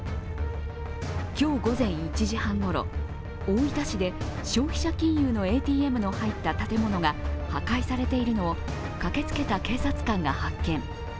今日午前１時半ごろ、大分市で消費者金融のＡＴＭの入った建物が破壊されているのを駆けつけた警察官が発見。